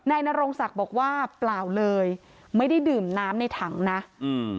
นโรงศักดิ์บอกว่าเปล่าเลยไม่ได้ดื่มน้ำในถังนะอืม